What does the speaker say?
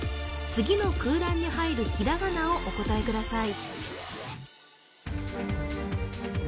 次の空欄に入るひらがなをお答えください